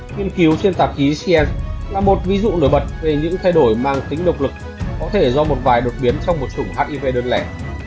nghiên cứu trên tạp chí cn là một ví dụ nổi bật về những thay đổi mang tính độc lực có thể do một vài đột biến trong một chủng hiv đơn lẻ